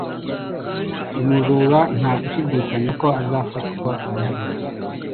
Umujura nta gushidikanya ko azafatwa amaherezo